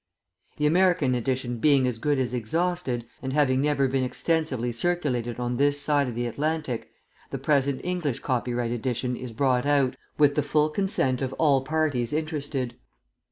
The American edition being as good as exhausted, and having never been extensively circulated on this side of the Atlantic, the present English copyright edition is brought out with the full consent of all parties interested.